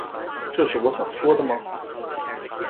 这是我想要说的吗